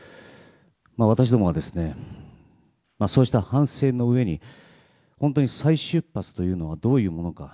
私どもはそうした反省のうえに本当に再出発というのはどういうものか